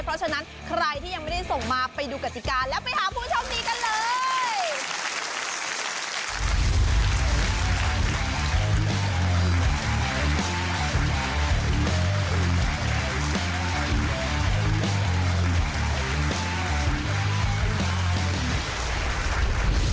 เพราะฉะนั้นใครที่ยังไม่ได้ส่งมาไปดูกติกาแล้วไปหาผู้โชคดีกันเลย